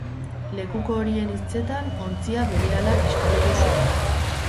Lekuko horien hitzetan, ontzia berehala kiskali du suak.